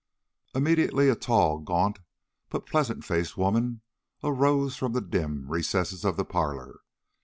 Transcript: Immediately a tall, gaunt, but pleasant faced woman arose from the dim recesses of the parlor.